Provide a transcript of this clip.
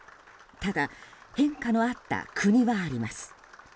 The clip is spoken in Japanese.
ただ変化のあった国はあります。